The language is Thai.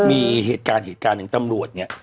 มีเหตุการณ์หนึ่งตำรวจเนี่ย